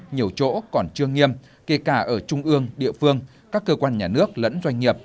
nhiều chỗ còn chưa nghiêm kể cả ở trung ương địa phương các cơ quan nhà nước lẫn doanh nghiệp